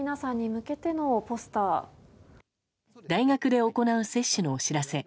大学で行う接種のお知らせ。